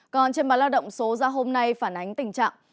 còn trên báo lao động số ra hôm nay phản ánh tình trạng